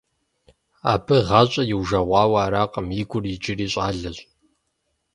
Абы гъащӀэр иужэгъуауэ аракъым, и гур иджыри щӀалэщ.